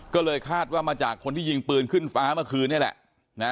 ก็เลยคาดว่ามาจากคนที่ยิงปืนขึ้นฟ้าเมื่อคืนนี่แหละ